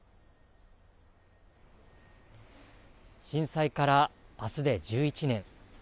震災からあすで１１年。